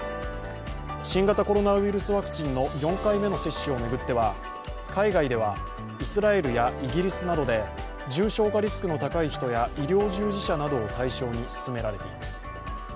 新型コロナウイルスワクチンの４回目の接種を巡っては海外では、イスラエルやイギリスなどで重症化リスクの高い人や医療従事者などを対象に進められています。